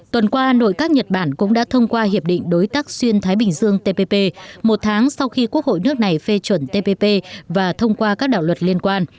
tuần qua nội các nhật bản cũng đã thông qua hiệp định đối tác xuyên thái bình dương tpp một tháng sau khi quốc hội nước này phê chuẩn tpp và thông qua các đạo luật liên quan